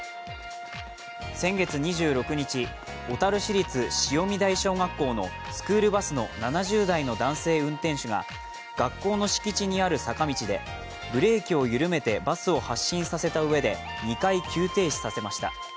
先月２６日、小樽市立潮見台小学校のスクールバスの７０代の男性運転手が学校の敷地にある坂道で、ブレーキを緩めてバスを発進させたうえで２回、急停止させました。